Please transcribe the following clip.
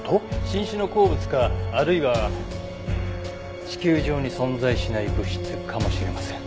新種の鉱物かあるいは地球上に存在しない物質かもしれません。